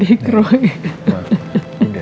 udah jangan nyalahin diri mama sendiri